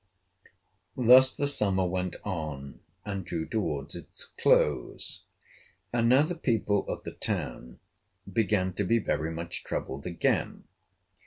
Thus the summer went on, and drew toward its close. And now the people of the town began to be very much troubled again.